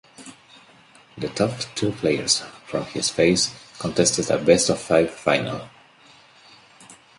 The top two players from this phase contested a best-of-five final.